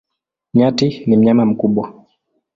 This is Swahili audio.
Nyati ni mnyama mkubwa.